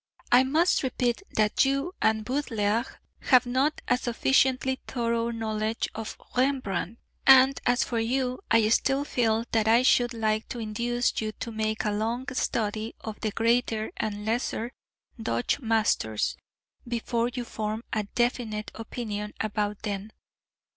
I must repeat that you and Baudelaire have not a sufficiently thorough knowledge of Rembrandt, and as for you, I still feel that I should like to induce you to make a long study of the greater and lesser Dutch Masters, before you form a definite opinion about them.